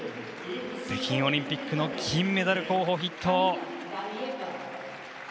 北京オリンピックの金メダル候補筆頭。